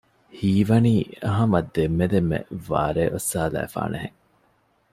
ހީވަނީ ހަމަ ދެންމެ ދެންމެ ވާރޭ އޮއްސާލައިފާނެ ހެން